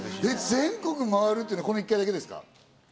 全国回るっていうのは、この１回だけですか？